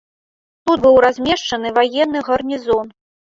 Тут быў размешчаны ваенны гарнізон.